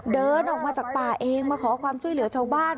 เดินออกมาจากป่าเองมาขอความช่วยเหลือชาวบ้าน